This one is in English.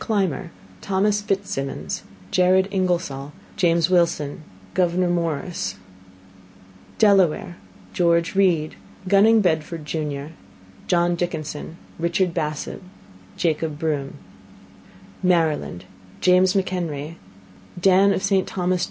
Clymer Thos FitzSimons Jared Ingersoll James Wilson Gouv Morris Delaware Geo: Read Gunning Bedford jun John Dickinson Richard Bassett Jaco: Broom Maryland James Mchenry Dan of St Thos.